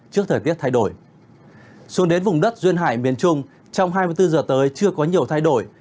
trước thời tiết thay đổi xuống đến vùng đất duyên hải miền trung trong hai mươi bốn giờ tới chưa có nhiều thay đổi